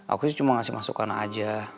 aku cuma ngasih masukan aja